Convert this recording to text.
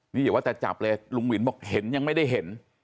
นี่อย่าว่าแต่จับเลยลุงวินบอกเห็นยังไม่ได้เห็น